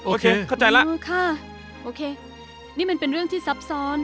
โอเคเข้าใจแล้วค่ะโอเคนี่มันเป็นเรื่องที่ซับซ้อน